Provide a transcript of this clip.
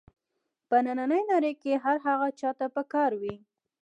په نننۍ نړۍ کې هر هغه چا ته په کار وي.